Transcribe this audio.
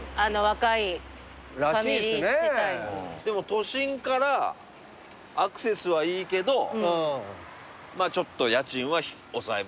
都心からアクセスはいいけどちょっと家賃は抑えめな。